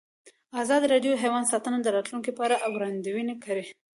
ازادي راډیو د حیوان ساتنه د راتلونکې په اړه وړاندوینې کړې.